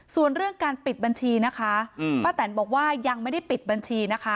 ส่วนเรื่องการปิดบัญชีนะคะป้าแตนบอกว่ายังไม่ได้ปิดบัญชีนะคะ